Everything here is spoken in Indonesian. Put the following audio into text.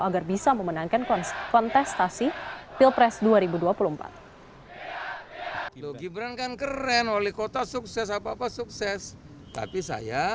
agar bisa memenangkan kontestasi pilpres dua ribu dua puluh empat